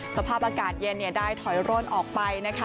สภาพอากาศเย็นได้ถอยร่นออกไปนะคะ